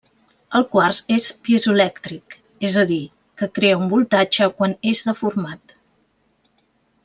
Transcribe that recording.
El quars és piezoelèctric, és a dir, que crea un voltatge quan és deformat.